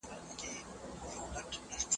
چي یې لاستی زما له ځان څخه جوړیږي